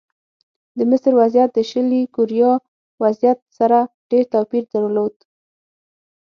د مصر وضعیت د شلي کوریا وضعیت سره ډېر توپیر درلود.